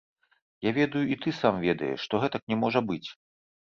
Я ведаю і ты сам ведаеш, што гэтак не можа быць!